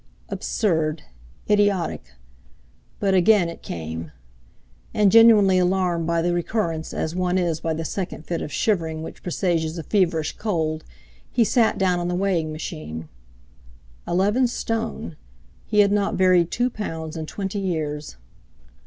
Absurd! Idiotic! But again it came. And genuinely alarmed by the recurrence, as one is by the second fit of shivering which presages a feverish cold, he sat down on the weighing machine. Eleven stone! He had not varied two pounds in twenty years.